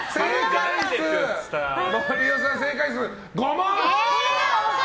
森尾さんの正解数、５問！